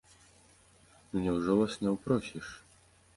Ну няўжо вас не ўпросіш?!